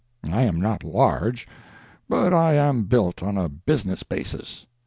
I am not large, but I am built on a business basis.